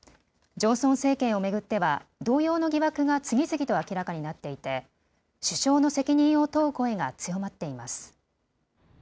ジョンソン政権を巡っては同様の疑惑が次々と明らかになっていて首相の責任を問う声が強まっています。